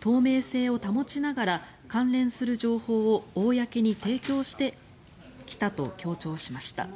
透明性を保ちながら関連する情報を公に提供してきたと強調しました。